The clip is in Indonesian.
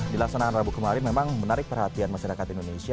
di laksanakan rabu kemarin memang menarik perhatian masyarakat indonesia